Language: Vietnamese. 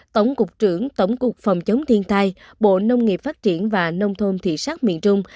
tổng cục trưởng tổng cục phòng chống thiên tai bộ nông nghiệp phát triển và nông thôn thị sát miền trung